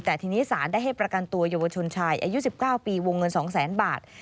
แต่ทีนี้ศาลได้ให้ประกันตัวเยาวชนชายอายุ๑๙ปีวงเงิน๒๐๐๐๐บาท